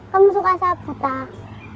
kamu suka sabu tak